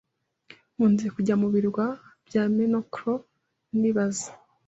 Nkunze kujya mu birwa bya Menorca na Ibiza.